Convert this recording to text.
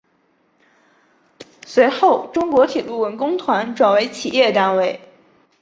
随后中国铁路文工团转为企业单位。